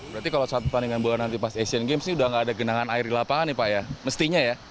berarti kalau saat pertandingan bola nanti pas asian games ini udah gak ada genangan air di lapangan nih pak ya mestinya ya